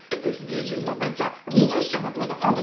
ＳＤＧｓのベンチャー２０社まとめたファンドですから。